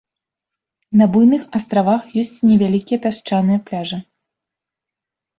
На буйных астравах ёсць невялікія пясчаныя пляжы.